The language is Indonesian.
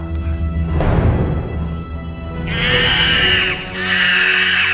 syarat yang ini memang agak berat